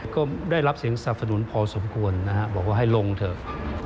ก็ได้รับเสียงสนับสนุนพอสมควรนะฮะบอกว่าให้ลงเถอะ